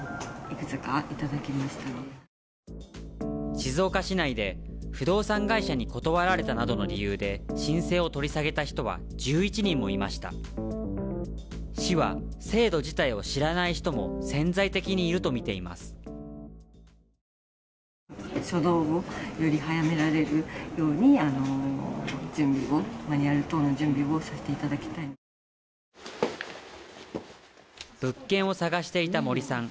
静岡市内で不動産会社に断られたなどの理由で申請を取り下げた人は１１人もいました市は制度自体を知らない人も潜在的にいるとみています物件を探していた森さん